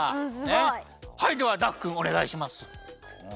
はいではダクくんおねがいします！